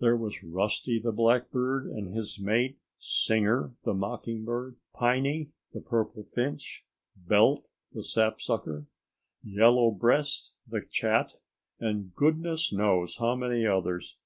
There were Rusty the Blackbird and his mate, Singer the Mocking Bird, Piney the Purple Finch, Belt the Sapsucker, Yellow Breast the Chat, and goodness knows how many others!